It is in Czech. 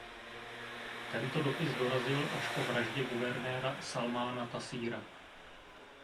Tento dopis dorazil až po vraždě guvernéra Salmána Tasíra.